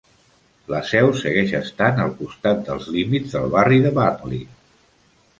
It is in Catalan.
La seu segueix estant al costat dels límits del barri de Burnley.